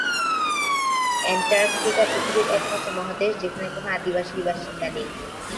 Antarctica পৃথিবীর একমাত্র মহাদেশ যেখানে কোন আদিবাসী বাসিন্দা নেই।